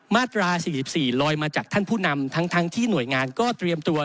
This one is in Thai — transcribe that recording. มาตรา๔๔ลอยมาจากท่านผู้นำทั้งที่หน่วยงานก็เตรียมตัว